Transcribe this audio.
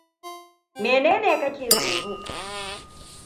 Menene kake tsoro?